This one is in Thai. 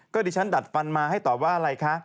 ดิฉันดัดฟันมาให้ตอบว่าอะไรคะ